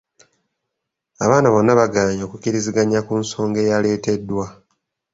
Abaana bonna baagaanye okukkiriziganya ku nsonga eyaleeteddwa.